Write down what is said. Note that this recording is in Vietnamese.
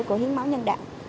của hiến máu nhân đạo